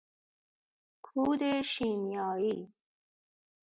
کود شیمیایی